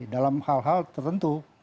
dalam hal hal tertentu